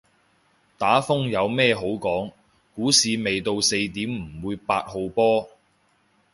打風有咩好講，股市未到四點唔會八號波